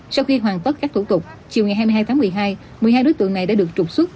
sau khi hoàn tất các thủ tục chiều ngày hai mươi hai tháng một mươi hai một mươi hai đối tượng này đã được trục xuất